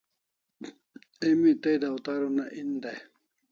Emi tai dawtar una en dai